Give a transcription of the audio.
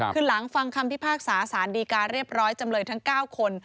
คือหลังฟังคำพิพากษาสารดีการเรียบร้อยจำเลยทั้ง๙คน